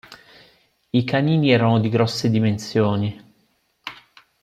I canini erano di grosse dimensioni.